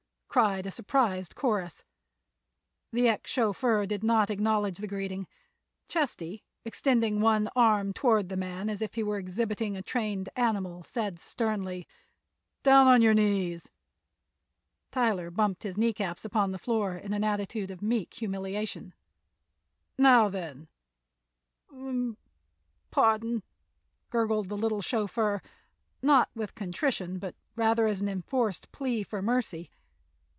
cried a surprised chorus. The ex chauffeur did not acknowledge the greeting. Chesty, extending one arm toward the man as if he were exhibiting a trained animal, said sternly: "Down on your knees!" Tyler bumped his kneecaps upon the floor in an attitude of meek humiliation. "Now, then!" "M m m—pardon," gurgled the little chauffeur, not with contrition but rather as an enforced plea for mercy.